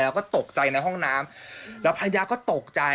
แล้วก็ตกใจในห้องน้ำแล้วภรรยาก็ตกใจ